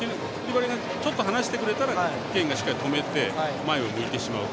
ちょっと離してくれたらケインがしっかり止めて前を向いてしまうと。